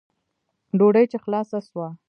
ډوډۍ چې خلاصه سوه.